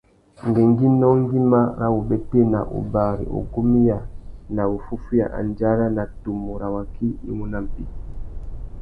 Ngüéngüinô ngüimá râ wubétēna, wubari, wugumiya na wuffúffüiya andjara na tumu râ waki i mú nà mpí.